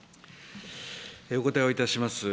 お答えをいたします。